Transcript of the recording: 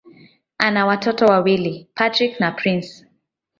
Ana watoto wawili: Patrick na Prince.